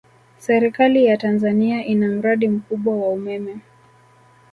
Serikali ya Tanzania ina mradi mkubwa wa umeme